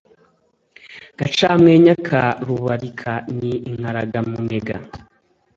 Gacamwenya ka Rubulika ni Inkaraga-munega